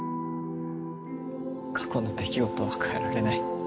過去の出来事は変えられない。